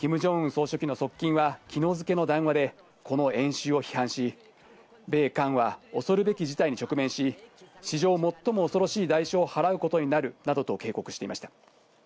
総書記の側近は昨日付の談話で、この演習を批判し、米韓は恐るべき事態に直面し、史上最も恐ろしい代償を払うことになるなどと警告していました。